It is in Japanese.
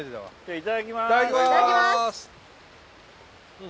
いただきまーす。